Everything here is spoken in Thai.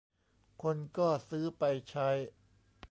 คนก็ซื้อไปใช้